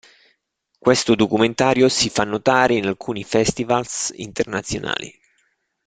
Questo documentario si fa notare in alcuni festivals internazionali.